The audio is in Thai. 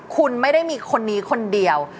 คุณไม่ได้มีคนนี้คนเดียว